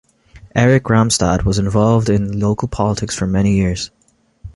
Erik Ramstad was involved in local politics for many years.